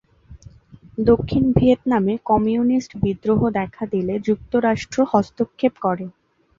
দক্ষিণ ভিয়েতনামে কমিউনিস্ট বিদ্রোহ দেখা দিলে যুক্তরাষ্ট্র হস্তক্ষেপ করে।